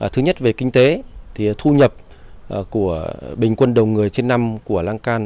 thứ nhất về kinh tế thì thu nhập của bình quân đầu người trên năm của lăng can